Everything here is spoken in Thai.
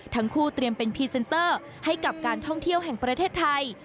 ทั้งคู่เตรียมเป็นพรีเซนเตอร์ให้กับการท่องเที่ยวแห่งประเทศไทย